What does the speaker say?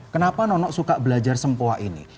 kenapa nono suka belajar sempua ini